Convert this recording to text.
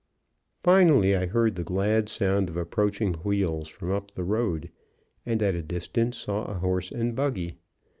Finally, I heard the glad sound of approaching wheels from up the road, and at a glance saw a horse and buggy.